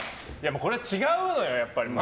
これ違うよね、やっぱり。